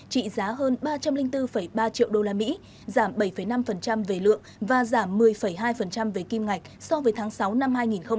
trị giá hơn ba trăm linh bốn ba triệu usd giảm bảy năm về lượng và giảm một mươi hai về kim ngạch so với tháng sáu năm hai nghìn hai mươi ba